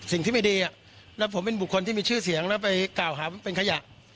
สิ่งที่ไม่ดีแล้วผมเป็นบุคคลที่มีชื่อเสียงแล้วไปกล่าวหาว่าเป็นขยะ